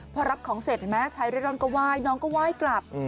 พอรับของเสร็จชายเร่อนก็ไหว้น้องก็ไหว้กลับ